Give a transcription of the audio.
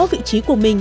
vị trí của mình